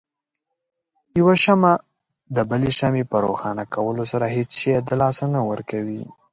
يوه شمعه دبلې شمعې په روښانه کولو سره هيڅ شی د لاسه نه ورکوي.